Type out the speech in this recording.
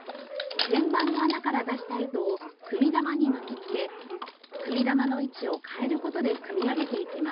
天板の穴から出した糸を組み玉に巻きつけ組み玉の位置を変える事で組み上げていきます。